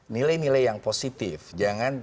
nilai nilai yang positif jangan